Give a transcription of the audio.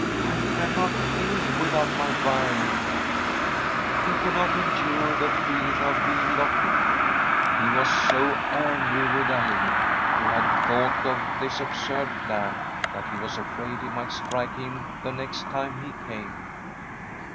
I cannot think without my violin.' He could not endure the feeling of being locked in. He was so angry with Alin, who had thought of this absurd plan, that he was afraid he might strike him the next time, he came.